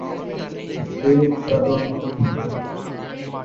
উন্নয়নশীল দেশের মানুষ আরও বেশি আক্রান্ত হন এবং সেক্ষেত্রে ফলাফল খারাপ।